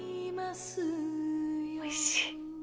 おいしい。